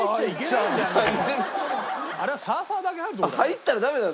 あれはサーファーだけ入るとこだよ。